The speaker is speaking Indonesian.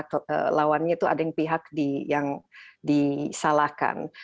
yang paling benar dan yang lawannya itu ada yang pihak yang disalahkan